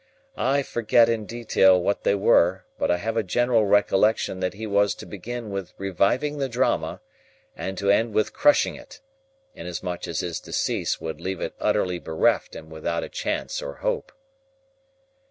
I forget in detail what they were, but I have a general recollection that he was to begin with reviving the Drama, and to end with crushing it; inasmuch as his decease would leave it utterly bereft and without a chance or hope.